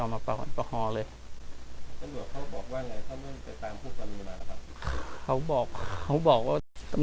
กลับมาที่สุดท้ายและกลับมาที่สุดท้าย